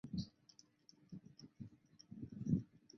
卡图里特是巴西帕拉伊巴州的一个市镇。